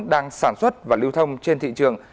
đang sản xuất và lưu thông trên thị trường